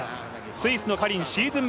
スイスのカリン、シーズン